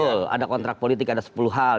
betul ada kontrak politik ada sepuluh hal